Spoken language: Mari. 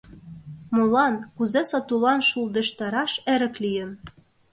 Молан, кузе сатулан шулдештараш эрык лийын?